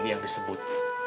ini yang disebut